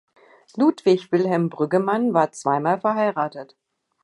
Ludwig Wilhelm Brüggemann war zweimal verheiratet.